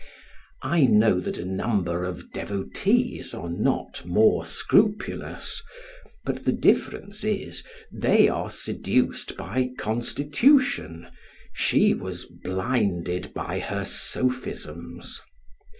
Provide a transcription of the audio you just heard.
I know that a number of devotees are not more scrupulous, but the difference is, they are seduced by constitution, she was blinded by her sophisms.